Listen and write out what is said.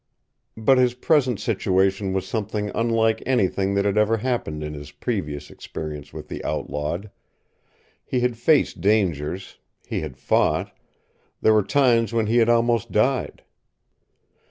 But his present situation was something unlike anything that had ever happened in his previous experience with the outlawed. He had faced dangers. He had fought. There were times when he had almost died.